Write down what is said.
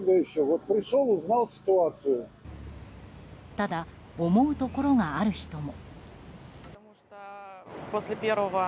ただ、思うところがある人も。